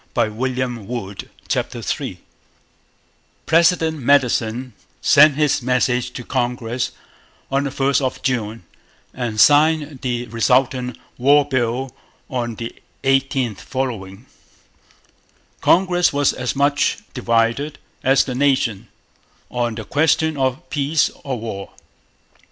CHAPTER III 1812: OFF TO THE FRONT President Madison sent his message to Congress on the 1st of June and signed the resultant 'war bill' on the 18th following. Congress was as much divided as the nation on the question of peace or war.